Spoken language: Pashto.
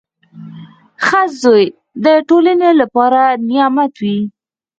• ښه زوی د ټولنې لپاره نعمت وي.